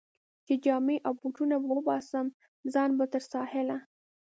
چې جامې او بوټونه به وباسم، ځان به تر ساحله.